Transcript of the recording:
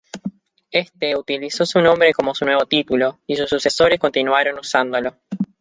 Éste utilizó ese nombre como su nuevo título, y sus sucesores continuaron usándolo.